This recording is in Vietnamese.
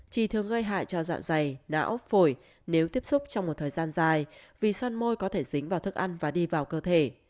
chỉ thường gây hại cho dạ dày não phổi nếu tiếp xúc trong một thời gian dài vì son môi có thể dính vào thức ăn và đi vào cơ thể